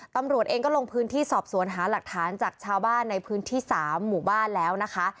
ตำรวจเองก็ลงพื้นที่สอบสวนหาหลักฐานจากชาวบ้านในพื้นที่๓หมู่บ้านแล้วนะคะ